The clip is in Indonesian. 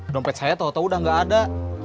dompet saya tau tau udah gak ada